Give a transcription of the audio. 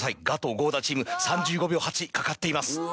ガト・合田チーム３５秒８かかっています。